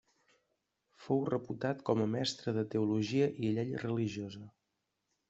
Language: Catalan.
Fou reputat com a mestre de teologia i llei religiosa.